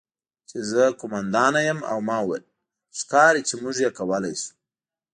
چې زه قوماندانه یم او ما وویل: 'ښکاري چې موږ یې کولی شو'.